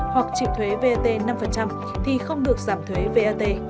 hoặc chịu thuế vat năm thì không được giảm thuế vat